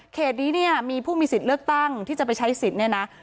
นี้เนี่ยมีผู้มีสิทธิ์เลือกตั้งที่จะไปใช้สิทธิ์เนี่ยนะ